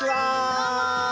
どうも！